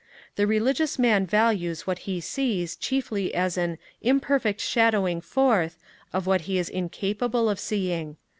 The religious man values what he sees chiefly as an 'imperfect shadowing forth' of what he is incapable of seeing.